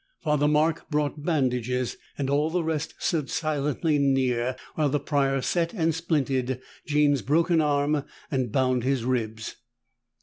Father Mark brought bandages, and all the rest stood silently near while the Prior set and splinted Jean's broken arm and bound his ribs.